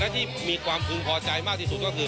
ที่มีความพึงพอใจมากที่สุดก็คือ